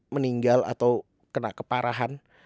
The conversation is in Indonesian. meninggal atau kena keparahan